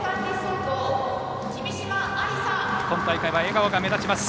今大会は笑顔が目立ちます